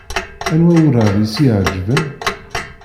Anwa urar i s-iɛeǧben?